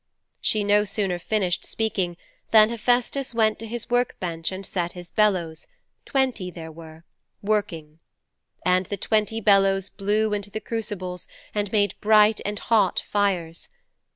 'She no sooner finished speaking than Hephaistos went to his work bench and set his bellows twenty were there working. And the twenty bellows blew into the crucibles and made bright and hot fires.